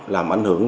làm ảnh hưởng